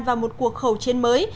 vào một cuộc khẩu chiến mới